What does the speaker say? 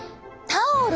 タオル？